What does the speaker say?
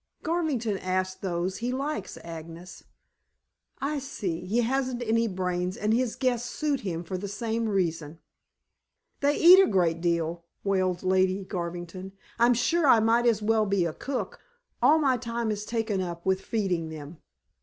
"Garvington asks those he likes, Agnes." "I see. He hasn't any brains, and his guests suit him for the same reason." "They eat a great deal," wailed Lady Garvington. "I'm sure I might as well be a cook. All my time is taken up with feeding them."